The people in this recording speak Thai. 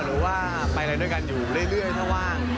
หรือว่าไปอะไรด้วยกันอยู่เรื่อยถ้าว่าง